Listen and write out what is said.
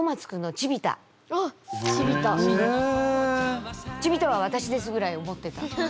「チビ太は私です」ぐらい思ってた。